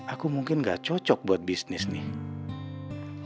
aku mungkin gak cocok buat bisnis nih